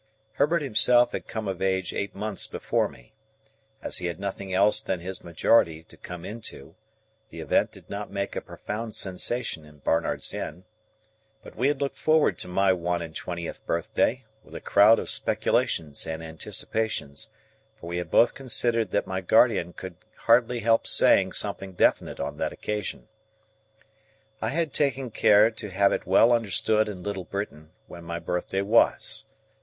Herbert himself had come of age eight months before me. As he had nothing else than his majority to come into, the event did not make a profound sensation in Barnard's Inn. But we had looked forward to my one and twentieth birthday, with a crowd of speculations and anticipations, for we had both considered that my guardian could hardly help saying something definite on that occasion. I had taken care to have it well understood in Little Britain when my birthday was.